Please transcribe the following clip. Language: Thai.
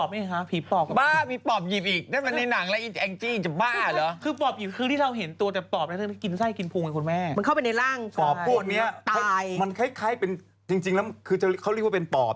มันคล้ายเป็นจริงแล้วเขาเรียกว่าเป็นปอบ